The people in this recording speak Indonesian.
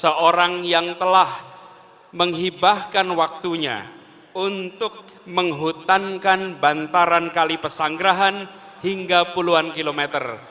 seorang yang telah menghibahkan waktunya untuk menghutankan bantaran kali pesanggerahan hingga puluhan kilometer